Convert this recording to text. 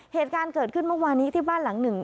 เหตุการณ์เกิดขึ้นเมื่อวานี้ที่บ้านหลังหนึ่ง